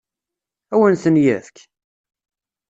Ad awen-ten-yefk?